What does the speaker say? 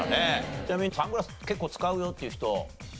ちなみにサングラス結構使うよっていう人？